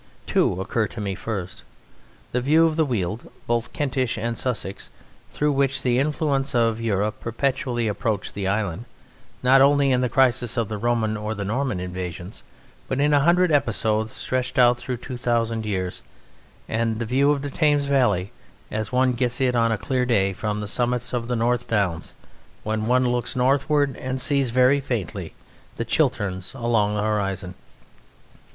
Two occur to me first: The view of the Weald (both Kentish and Sussex) through which the influence of Europe perpetually approached the island, not only in the crisis of the Roman or the Norman invasions, but in a hundred episodes stretched out through two thousand years and the view of the Thames Valley as one gets it on a clear day from the summits of the North Downs when one looks northward and sees very faintly the Chilterns along the horizon.